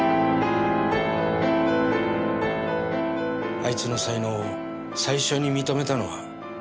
あいつの才能を最初に認めたのは私だった。